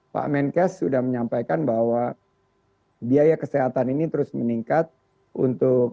pak menkes sudah menyampaikan bahwa biaya kesehatan ini terus meningkat untuk